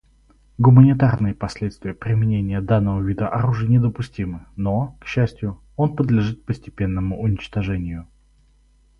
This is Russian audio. Гуманитарные последствия применения данного вида оружия недопустимы, но, к счастью, он подлежит постепенному уничтожению.